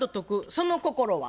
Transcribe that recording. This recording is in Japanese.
その心は？